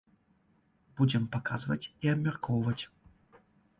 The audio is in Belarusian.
Будзем паказваць і абмяркоўваць.